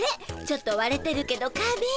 ちょっとわれてるけど花びん。